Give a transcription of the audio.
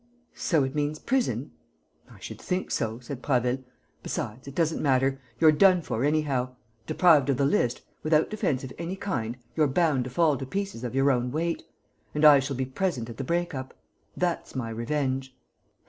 "So it means prison?" "I should think so," said Prasville. "Besides, it doesn't matter. You're done for, anyhow. Deprived of the list, without defence of any kind, you're bound to fall to pieces of your own weight. And I shall be present at the break up. That's my revenge."